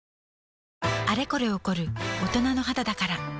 あれこれ起こる大人の肌だから